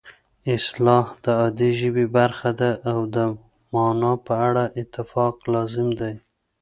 اصطلاح د عادي ژبې برخه ده او د مانا په اړه اتفاق لازم دی